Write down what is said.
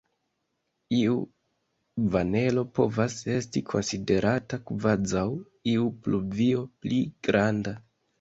Iu vanelo povas esti konsiderata kvazaŭ iu pluvio pli granda.